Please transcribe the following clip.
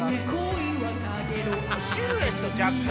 シルエット若干。